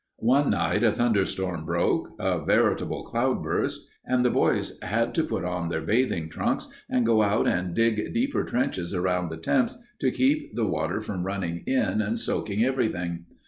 One night a thunderstorm broke, a veritable cloudburst, and the boys had to put on their bathing trunks and go out and dig deeper trenches around the tents to keep the water from running in and soaking everything.